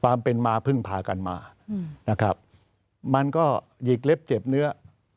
ความเป็นมาเพิ่งพากันมานะครับมันก็หยิกเล็บเจ็บเนื้อ